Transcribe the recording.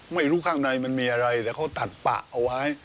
ไม่รู้ข้างในมันมีอะไรแต่เขาตัดปะเอาไว้